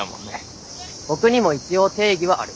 ボクにも一応定義はある。